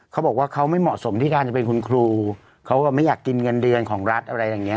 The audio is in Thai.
เขาบอกว่าเขาไม่เหมาะสมที่การจะเป็นคุณครูเขาก็ไม่อยากกินเงินเดือนของรัฐอะไรอย่างนี้